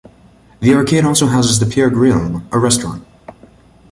The arcade also houses the Pier Grille, a restaurant.